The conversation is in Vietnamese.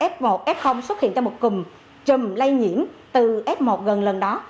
f một f xuất hiện cho một cùm chùm lây nhiễm từ f một gần lần đó